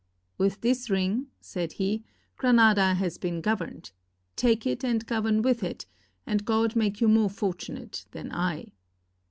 ''With this ring," said he, " Granada has been governed; take it and govern with it, and God make you more fortunate than I."